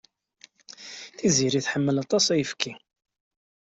Tiziri tḥemmel aṭas ayefki.